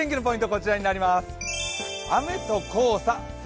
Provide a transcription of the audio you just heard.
こちらになります。